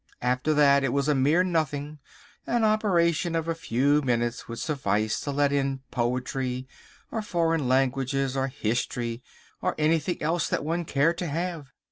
After that it was a mere nothing; an operation of a few minutes would suffice to let in poetry or foreign languages or history or anything else that one cared to have.